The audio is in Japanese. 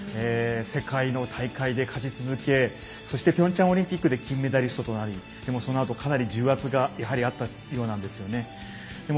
世界の大会で勝ち続けピョンチャンオリンピックで金メダリストとなりそのあと、かなり重圧がやはりあったようなんですね。